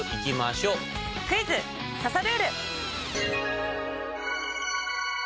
クイズ刺さルール！